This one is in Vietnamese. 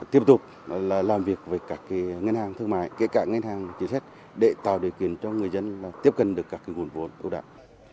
tiếp tục làm việc với các ngân hàng thương mại kể cả ngân hàng chính sách để tạo điều kiện cho người dân tiếp cận được các nguồn vốn ưu đãi